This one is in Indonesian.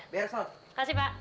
terima kasih pak